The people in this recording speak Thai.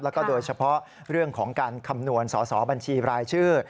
แล้วก็โดยเฉพาะเรื่องของการคำนวณสอสอบัญชีรายชื่อ